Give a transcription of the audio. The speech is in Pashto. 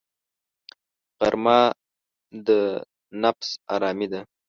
غرمه د نفس آرامي ده